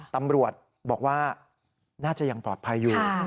ตำรวจบอกว่าน่าจะยังปลอดภัยอยู่